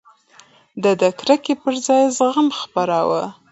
ده د کرکې پر ځای زغم خپراوه.